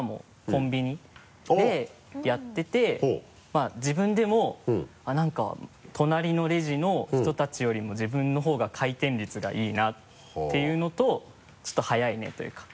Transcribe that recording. まぁ自分でもなんか隣のレジの人たちよりも自分の方が回転率がいいなっていうのとちょっと早いねというか。